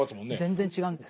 全然違うんですよ。